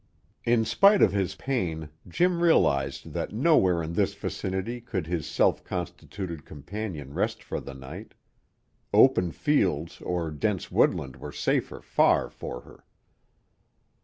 In spite of his pain, Jim realized that nowhere in this vicinity could his self constituted companion rest for the night; open fields or dense woodland were safer far for her.